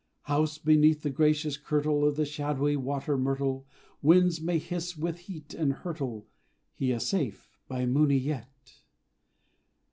Housed beneath the gracious kirtle Of the shadowy water myrtle, Winds may hiss with heat, and hurtle He is safe by Mooni yet!